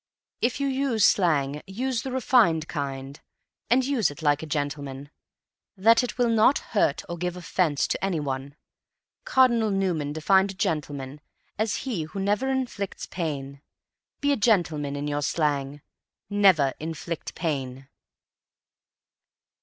If you use slang use the refined kind and use it like a gentleman, that it will not hurt or give offense to any one. Cardinal Newman defined a gentleman as he who never inflicts pain. Be a gentleman in your slang never inflict pain.